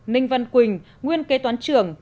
ninh văn quỳnh nguyên kế toán trưởng